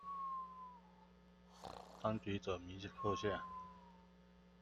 當局者迷克夏